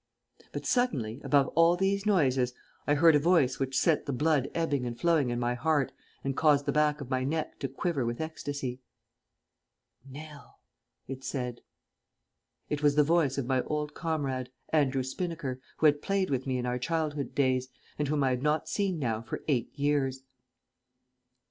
But suddenly, above all these noises, I heard a voice which sent the blood ebbing and flowing in my heart and caused the back of my neck to quiver with ecstasy. "Nell!" it said. It was the voice of my old comrade, Andrew Spinnaker, who had played with me in our childhood's days, and whom I had not seen now for eight years.